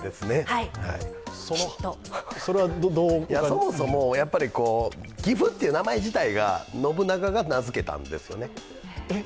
そもそも、岐阜って名前自体が信長が名付けたんですよね。